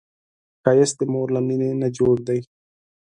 ښایست د مور له مینې نه جوړ دی